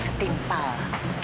sakit tau gak